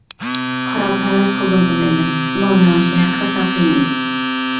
قاراپ ھەۋەس قىلدىمغۇ دەيمەن، ئۇنىڭ مېڭىشى ھەقىقەتەن قىيىن ئىدى.